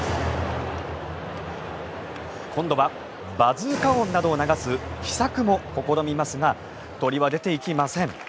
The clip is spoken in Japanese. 今度はバズーカ音などを流す奇策も試みますが鳥は出ていきません。